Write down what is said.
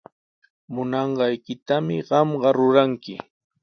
Munanqaykitami qamqa ruranki.